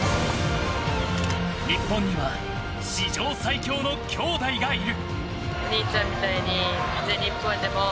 日本には史上最強の兄妹がいる。